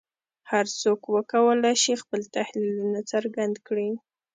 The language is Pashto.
هر څوک وکولای شي خپل تحلیلونه څرګند کړي